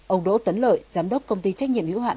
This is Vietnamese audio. ông đỗ tấn lợi giám đốc công ty trách nhiệm hữu hạn